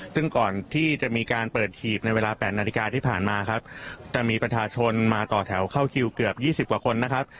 ซึ่งก่อนที่จะมีการเปิดหีบในเวลา๘นาฬิกาที่ผ่านมาครับจะมีประชาชนมาต่อแถวเข้าคิวเกือบ๒๐กว่าคนนะครับ